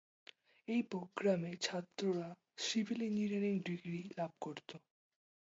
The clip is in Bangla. এই প্রোগ্রামে ছাত্ররা সিভিল ইঞ্জিনিয়ারিং ডিগ্রি লাভ করত।